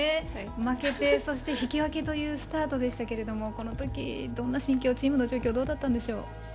負けて、そして引き分けというスタートでしたけどこのとき、どんな心境チームの状況どうだったんでしょう。